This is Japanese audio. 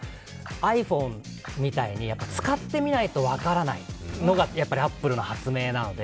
ｉＰｈｏｎｅみたいに使ってみないと分からないのがアップルの発明なので